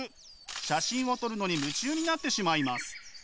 写真を撮るのに夢中になってしまいます。